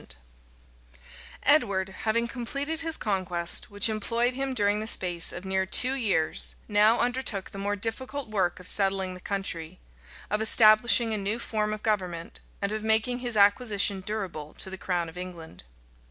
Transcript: } Edward, having completed his conquest, which employed him during the space of near two years, now undertook the more difficult work of settling the country, of establishing a new form of government, and of making his acquisition durable to the crown of England.